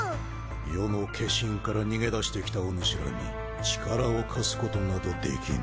余の化身から逃げ出して来たお主らに力を貸すことなどできぬ！